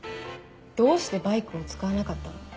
どうしてバイクを使わなかったの？